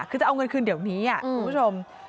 คือจะเอาเงินคืนเดี๋ยวนี้คุณผู้ชม